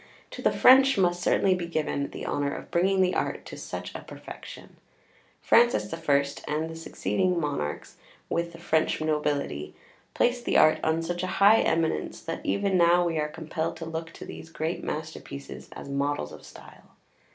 To the French must certainly be given the honour of bringing the art to such a perfection. Francis I. and the succeeding monarchs, with the French nobility, |xv| placed the art on such a high eminence, that even now we are compelled to look to these great masterpieces as models of style.